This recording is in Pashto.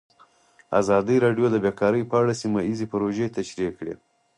ازادي راډیو د بیکاري په اړه سیمه ییزې پروژې تشریح کړې.